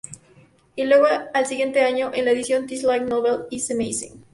Y luego al siguiente año, en la edición This Light Novel is Amazing!